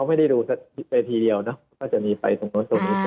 ไม่ได้ดูสักทีเดียวเนอะก็จะมีไปส่วนตรงนี้